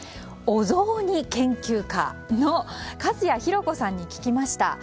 お雑煮研究家の粕谷浩子さんに聞きました。